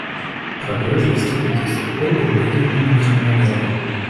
Прогресс, достигнутый с тех пор, был медленным и неравномерным.